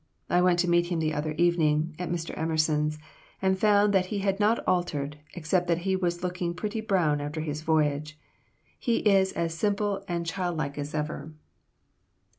I went to meet him the other evening (at Mr. Emerson's), and found that he had not altered, except that he was looking pretty brown after his voyage. He is as simple and childlike as ever."